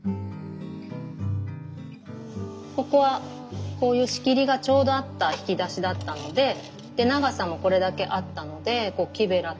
ここはこういう仕切りがちょうどあった引き出しだったのでで長さもこれだけあったのでこう木べらと菜箸を入れてるんですね。